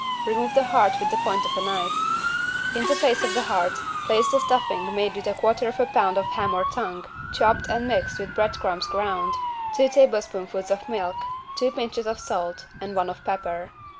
Remove the heart with the point of a knife. In the place of the heart place the stuffing made with 1/4 lb. ham or tongue, chopped and mixed with bread crumbs ground, two tablespoonfuls of milk, two pinches of salt and one of pepper.